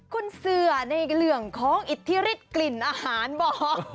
คุณเสือในเรื่องของอิทธิฤทธิกลิ่นอาหารบอก